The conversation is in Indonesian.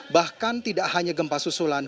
bahkan tidak hanya gempa susulan